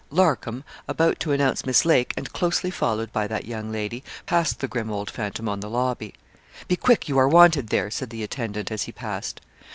Larcom, about to announce Miss Lake, and closely followed by that young lady, passed the grim old phantom on the lobby. 'Be quick, you are wanted there,' said the attendant as he passed.